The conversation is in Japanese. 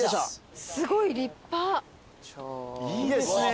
・いいですね。